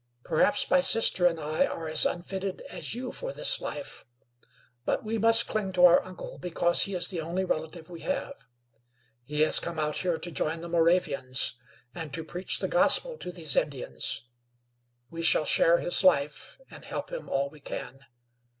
Perhaps my sister and I are as unfitted as you for this life; but we must cling to our uncle because he is the only relative we have. He has come out here to join the Moravians, and to preach the gospel to these Indians. We shall share his life, and help him all we can.